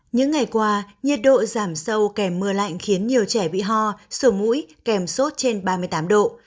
những ngày qua nhiệt độ giảm sâu kèm mưa lạnh khiến nhiều trẻ bị ho sổ mũi kèm sốt trên ba mươi tám độ